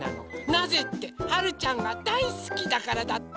なぜってはるちゃんがだいすきだからだって！